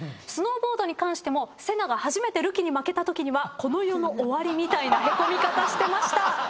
スノーボードに関してもせなが初めてるきに負けたときにはこの世の終わりみたいなへこみ方してました。